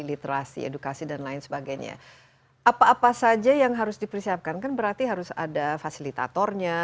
literasi edukasi dan lain sebagainya apa apa saja yang harus dipersiapkan kan berarti harus ada fasilitatornya